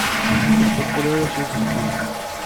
Ur ssuqqul ara s uselkim.